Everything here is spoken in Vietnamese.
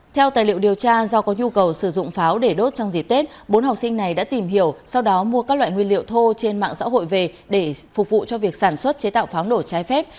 theo tài liệu điều tra do có nhu cầu sử dụng pháo để đốt trong dịp tết bốn học sinh này đã tìm hiểu sau đó mua các loại nguyên liệu thô trên mạng xã hội về để phục vụ cho việc sản xuất chế tạo pháo nổ trái phép